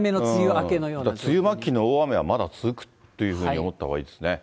梅雨末期の大雨はまだ続くというふうに思ったほうがいいですね。